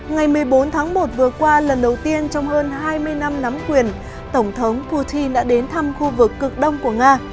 ngày một mươi bốn tháng một vừa qua lần đầu tiên trong hơn hai mươi năm nắm quyền tổng thống putin đã đến thăm khu vực cực đông của nga